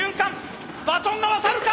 バトンが渡るか！